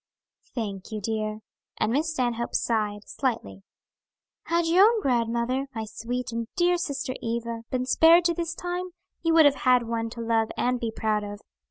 "Thank you, dear," and Miss Stanhope sighed, slightly. "Had your own grandmother, my sweet and dear sister Eva, been spared to this time, you would have had one to love and be proud of.